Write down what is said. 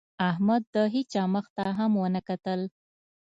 احمد د هېڅا مخ ته هم ونه کتل.